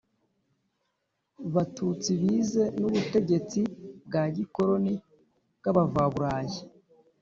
Batutsi bize n ubutegetsi bwa gikoroni bw abavaburayi